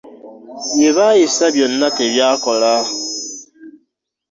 Bye baayisa byonna tebyakola.